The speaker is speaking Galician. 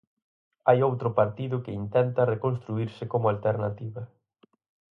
Hai outro partido que intenta reconstruírse como alternativa.